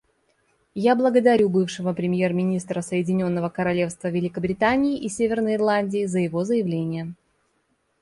Я благодарю бывшего премьер-министра Соединенного Королевства Великобритании и Северной Ирландии за его заявление.